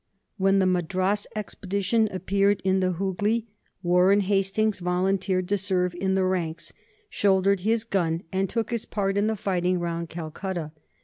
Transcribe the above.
When the Madras expedition appeared in the Hughli, Warren Hastings volunteered to serve in the ranks, shouldered his gun, and took his part in the fighting round Calcutta.